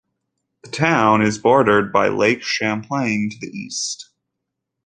The town is bordered by Lake Champlain to the east.